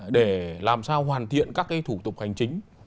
để làm sao hoàn thiện các thủ tục hoành chính